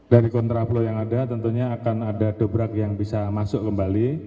dari kontra flow yang ada tentunya akan ada dobrak yang bisa masuk kembali